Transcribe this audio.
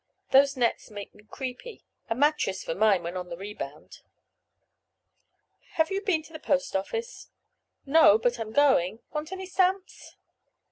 Those nets make me creepy—a mattress for mine when on the rebound. Have you been to the post office?" "No, but I'm going. Want any stamps?"